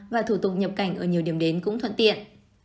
và thủ tục nhập cảnh ở nhiều điểm đến cũng thuận tiện